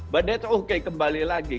tapi itu oke kembali lagi